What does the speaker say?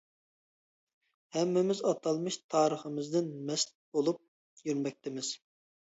ھەممىمىز ئاتالمىش تارىخىمىزدىن مەست بولۇپ يۈرمەكتىمىز.